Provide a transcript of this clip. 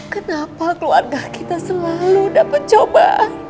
kenapa keluarga kita selalu dapat coba